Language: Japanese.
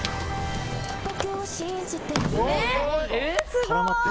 すごい！